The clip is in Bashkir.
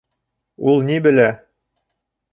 Ул ни белә?